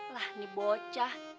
lah ini bocah